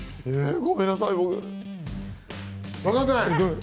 ごめんなさい。